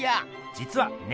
じつはね